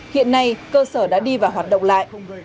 hiện nay cơ sở đã đi vào hoạt động lại